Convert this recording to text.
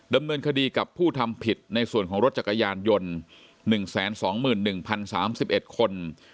ดำเนินคดีกับผู้ทำผิดในส่วนของรถจักรยานยนต์๑๒๑๐๓๑คน